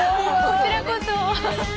こちらこそ。